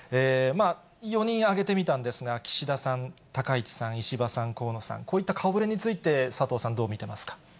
４人挙げてみたんですが、岸田さん、高市さん、石破さん、河野さん、こういった顔ぶれについて、佐藤さん、どう見てますか。